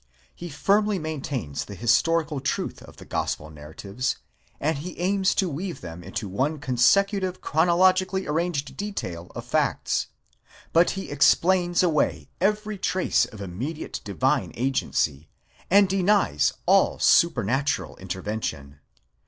He firmly maintains the historical truth of the gospel narratives, and he aims to weave them into one consecutive chronologically arranged detail of facts ; but he explains away every trace of immediate divine agency, and denies all supernatural intervention.